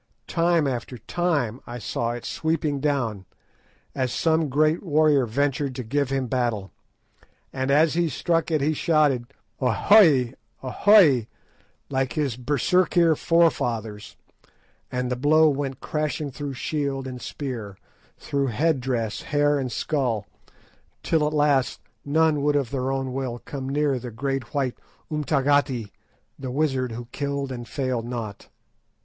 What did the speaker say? Time after time I saw it sweeping down, as some great warrior ventured to give him battle, and as he struck he shouted "O hoy! O hoy!" like his Berserkir forefathers, and the blow went crashing through shield and spear, through head dress, hair, and skull, till at last none would of their own will come near the great white "umtagati," the wizard, who killed and failed not.